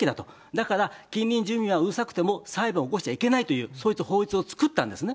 だから、近隣住民はうるさくても裁判を起こしちゃいけないという、そういう法律を作ったんですね。